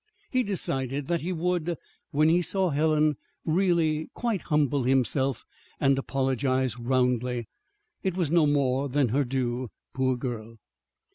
He decided that he would, when he saw Helen, really quite humble himself and apologize roundly. It was no more than her due, poor girl!